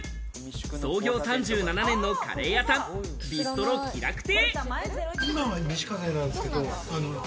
創業３７年のカレー屋さん、ビストロ喜楽亭。